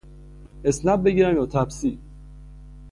اسنپ بگیرم یا تپسی؟